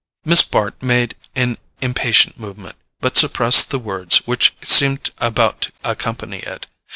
Miss Bart made an impatient movement, but suppressed the words which seemed about to accompany it.